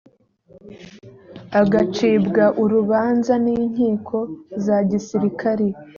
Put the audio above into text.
agacibwa urubanza n inkiko za gisirikari